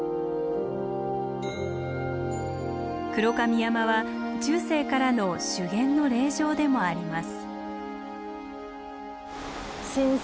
黒髪山は中世からの修験の霊場でもあります。